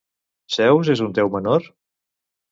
Zeus és un déu menor?